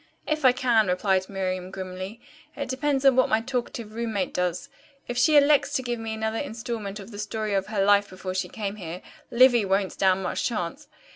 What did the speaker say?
"If I can," replied Miriam grimly. "It depends on what my talkative roommate does. If she elects to give me another instalment of the story of her life before she came here, Livy won't stand much chance.